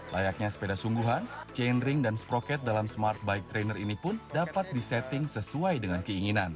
layaknya sepeda sungguhan chainring dan sproket dalam smart bike trainer ini pun dapat disetting sesuai dengan keinginan